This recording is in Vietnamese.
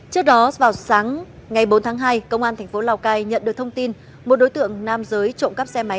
trước đó vào sáng ngày bốn tháng hai công an thành phố lào cai nhận được thông tin một đối tượng nam giới trộm cắp xe máy